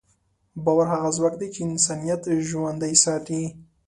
باور هغه ځواک دی چې انسانیت ژوندی ساتي.